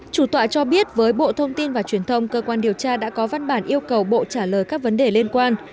chủ tọa cho biết với bộ thông tin và truyền thông cơ quan điều tra đã có văn bản yêu cầu bộ trả lời các vấn đề liên quan